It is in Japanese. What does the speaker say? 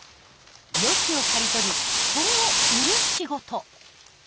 ヨシを刈り取りそれを売る仕事。